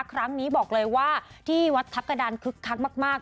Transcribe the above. ครั้งนี้บอกเลยว่าที่วัดทัพกระดานคึกคักมาก